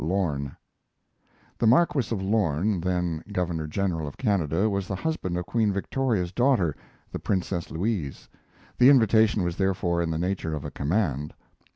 LORNE. The Marquis of Lorne, then Governor General of Canada, was the husband of Queen Victoria's daughter, the Princess Louise. The invitation was therefore in the nature of a command.